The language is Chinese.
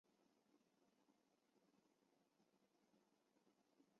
现为铭源医疗主席。